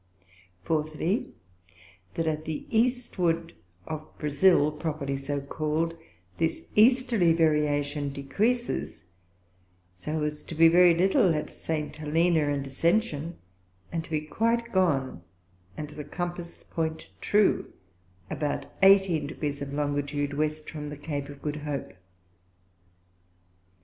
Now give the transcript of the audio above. Fourthly, That at the Eastward of Brasile, properly so call'd, this Easterly Variation decreases, so as to be very little at St. Helena and Ascension, and to be quite gone, and the Compass Point true about 18 Degrees of Longitude West from the Cape of Good hope.